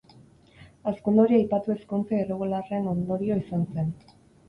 Hazkunde hori aipatu ezkontza irregularren ondorio izan zen.